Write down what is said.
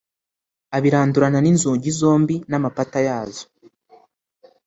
abirandurana n'inzugi zombi n'amapata yazo